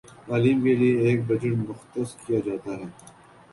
تعلیم کے لیے ایک بجٹ مختص کیا جاتا ہے